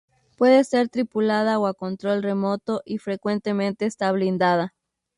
Puede ser tripulada o a control remoto, y frecuentemente está blindada.